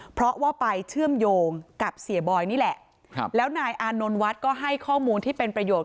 เพราะว่าไปเชื่อมโยงกับเสียบอยนี่แหละครับแล้วนายอานนท์วัดก็ให้ข้อมูลที่เป็นประโยชน